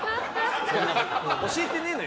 教えてねえんだよ。